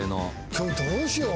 今日どうしよう。